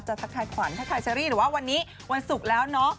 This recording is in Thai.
ทักทายขวัญทักทายเชอรี่หรือว่าวันนี้วันศุกร์แล้วเนาะ